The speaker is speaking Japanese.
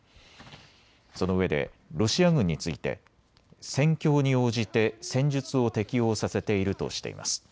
そのうえでロシア軍について戦況に応じて戦術を適応させているとしています。